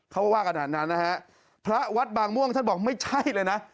ว่าขนาดนั้นนะฮะพระวัดบางม่วงท่านบอกไม่ใช่เลยนะ